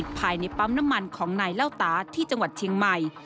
ภายในปั๊มน้ำมันของนายเล่าตาที่จังหวัดเชียงใหม่